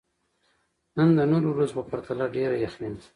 نن د نورو ورځو په پرتله ډېره یخني ده.